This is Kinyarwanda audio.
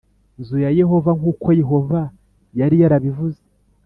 nzu ya Yehova nk uko Yehova yari yarabivuze